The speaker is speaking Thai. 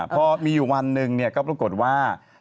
พอมีอยู่วันหนึ่งก็ปรากฏว่า